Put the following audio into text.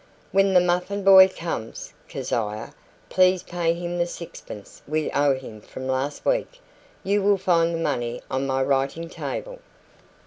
"When the muffin boy comes, Keziah, please pay him the sixpence we owe him from last week. You will find the money on my writing table."